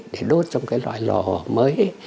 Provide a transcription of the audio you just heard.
để đốt trong cái loại lò mới